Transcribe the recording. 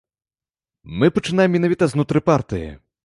Мы пачынаем менавіта знутры партыі.